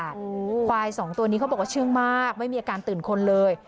ควายสองตัวนี้เขาบอกว่าเชื่องมากไม่มีอาการตื่นคนเลย